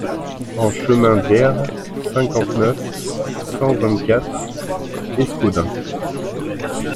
un chemin d'ERRE, cinquante-neuf, cent vingt-quatre, Escaudain